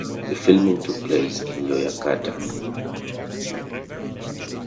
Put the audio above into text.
The filming took place in Yogyakarta.